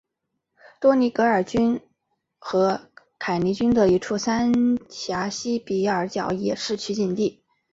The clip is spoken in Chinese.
多尼戈尔郡和凯里郡的一处山岬西比尔角也是取景地。